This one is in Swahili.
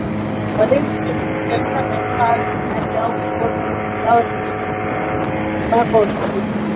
walinzi shirikishi katika maeneo hayo na baadhi yao kuporwa mali zao na vibaka usiku